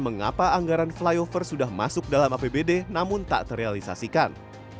mengapa anggaran flyover sudah masuk dalam apbd namun tak terrealisasikan